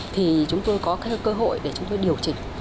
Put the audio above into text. thì chúng tôi có cơ hội để chúng tôi điều chỉnh